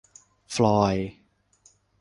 ฟลอยด์